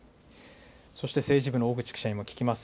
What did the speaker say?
そして政治部の小口記者にも聞きます。